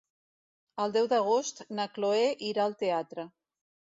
El deu d'agost na Chloé irà al teatre.